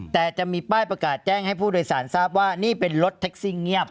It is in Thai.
แต่จะมีป้ายประกาศแจ้งให้ผู้โดยสารทราบว่านี่เป็นรถแท็กซี่เงียบ